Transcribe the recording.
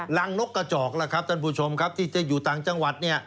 นกกระจอกล่ะครับท่านผู้ชมครับที่จะอยู่ต่างจังหวัดเนี่ย